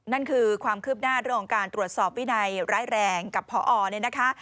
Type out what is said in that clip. นั่นคือความคืบหน้าเรื่องของการตรวจสอบวินัยร้ายแรงกับพอเนี่ยนะคะ